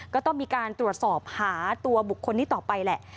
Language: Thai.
ก็ต้องมีการตรวจสอบหาตัวบุคคลนี้ต่อไปแหละ